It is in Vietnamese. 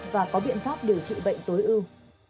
và có biện pháp điều trị bệnh tối ưu